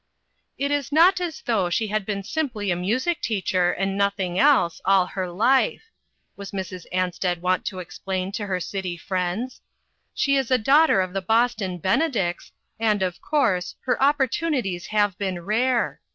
" It is not as though she had been simply a music teacher, and nothing else, all her life," was Mrs. Ansted wont to explain to her city friends. " She is a daughter of the Boston Benedicts, and, of course, her oppor tunities have been rare.